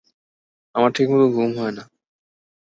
আমার ঠিকমত ঘুম হয় না।